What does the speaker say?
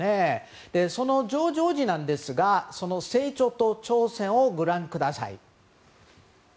そのジョージ王子なんですが成長と挑戦をご覧ください。